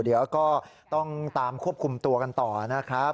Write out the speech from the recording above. เดี๋ยวก็ต้องตามควบคุมตัวกันต่อนะครับ